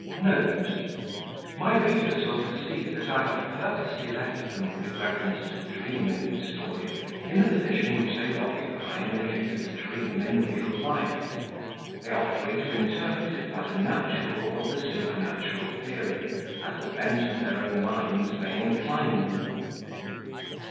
NOTE My readers will perceive that I have purposely left them, with reference to the Dream in this story, in the position which they would occupy in the case of a dream in real life: they are free to interpret it by the natural or the supernatural theory, as the bent of their own minds may incline them.